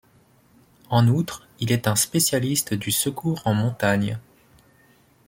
En outre, il est un spécialiste du secours en montagne.